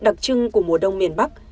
đặc trưng của mùa đông miền bắc